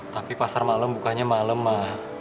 tapi pasar malam bukanya malem ma